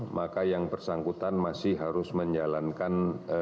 maka yang bersangkutan masih harus menjalankan